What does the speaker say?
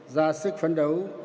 ra sức phấn đấu